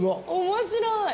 面白い！